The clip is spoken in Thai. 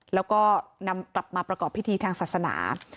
แล้วก็นำกลับมาประกอบพิธีทางศาสนา